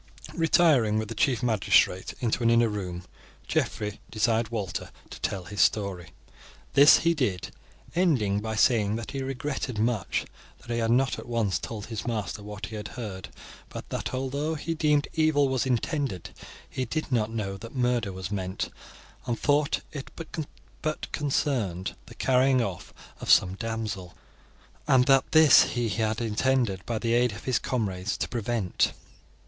Retiring with the chief magistrate into an inner room, Geoffrey desired Walter to tell his story. This he did, ending by saying that he regretted much that he had not at once told his master what he had heard; but that, although he deemed evil was intended, he did not know that murder was meant, and thought it but concerned the carrying off of some damsel, and that this he had intended, by the aid of his comrades, to prevent.